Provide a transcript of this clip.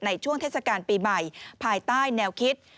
ช่วงเทศกาลปีใหม่ภายใต้แนวคิด